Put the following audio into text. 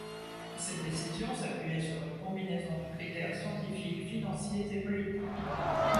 Cette décision s'appuyait sur une combinaison de critères scientifiques, financiers et politiques.